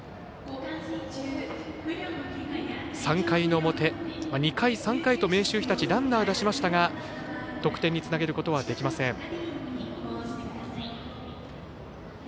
３回の表、２回、３回と明秀日立ランナー出しましたが得点につなげることはできません。